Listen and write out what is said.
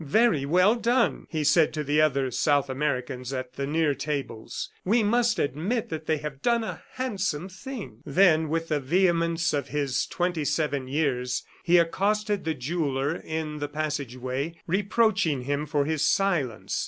"Very well done!" he said to the other South Americans at the near tables. "We must admit that they have done the handsome thing." Then with the vehemence of his twenty seven years, he accosted the jeweller in the passage way, reproaching him for his silence.